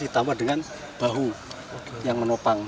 ditambah dengan bahu yang menopang